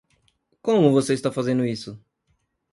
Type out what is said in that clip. Como você está fazendo isso?